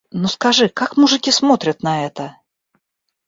Но скажи, как мужики смотрят на это?